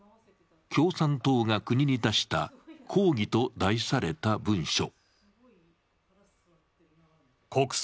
共産党が国に出した「抗議」と題された文書。